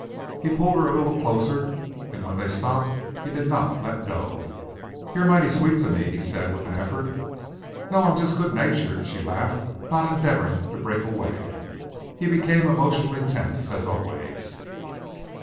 He pulled her a little closer and when they stopped he did not let go. "You're mighty sweet to me," he said with an effort. "No, I'm just good natured," she laughed, not endeavoring to break away. He became emotionally tense, as always.